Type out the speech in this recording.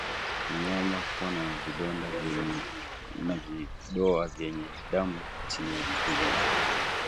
Mnyama kuwa na vidoa vyenye damu chini ya ulimi